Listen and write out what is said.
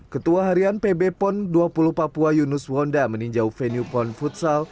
ketua harian pb pon dua puluh papua yunus wonda meninjau venue pon futsal